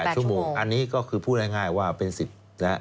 ๔๘ชั่วโมงอันนี้ก็คือพูดง่ายว่าเป็นสิทธิ์